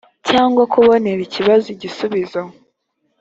cyangwa kubonera ikibazo igisubizo